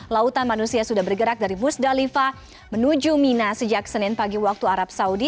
lautan manusia sudah bergerak dari musdalifah menuju mina sejak senin pagi waktu arab saudi